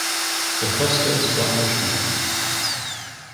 The costa is blackish marked.